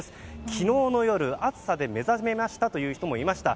昨日の夜、暑さで目覚めたという人もいました。